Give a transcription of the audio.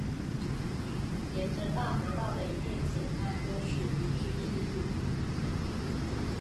沿着大河道的一片浅滩都属于居住地。